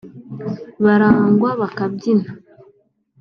barangwa bakabyina